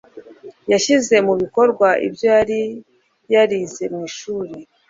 yashyize mu bikorwa ibyo yari yarize mu ishuri